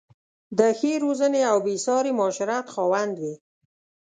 د ښې روزنې او بې ساري معاشرت خاوند وې.